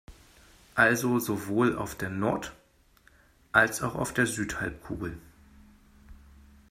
Also sowohl auf der Nord- als auch auf der Südhalbkugel.